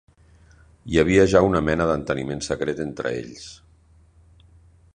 Hi havia ja una mena d'enteniment secret entre ells.